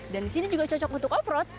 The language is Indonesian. dan di sini juga cocok untuk off road